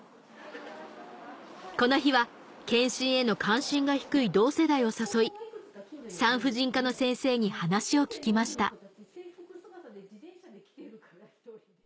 この日は検診への関心が低い同世代を誘い産婦人科の先生に話を聞きました